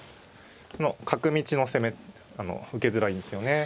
この角道の攻め受けづらいんですよね。